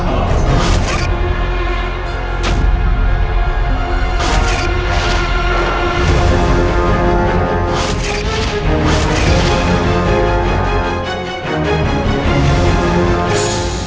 hancur lebur kan pajajaran